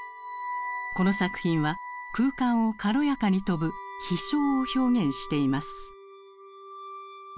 この作品は空間を軽やかに飛ぶ「飛翔」を表現しています。